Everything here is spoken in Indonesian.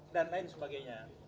dan lain sebagainya